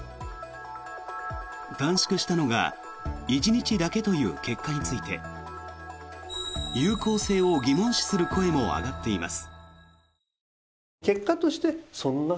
短縮したのが１日だけという結果について有効性を疑問視する声も上がっています。